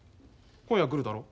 今夜は来るだろう？